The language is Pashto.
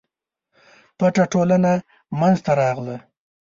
پټه ټولنه منځته راغله.